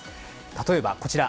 例えばこちら。